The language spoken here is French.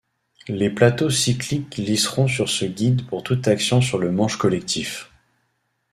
Les plateaux cycliques glisseront sur ce guide pour toute action sur le manche collectif.